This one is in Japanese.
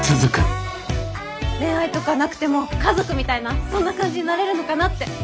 恋愛とかなくても家族みたいなそんな感じになれるのかなって。